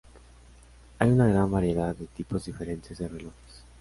Hay una gran variedad de tipos diferentes de relojes.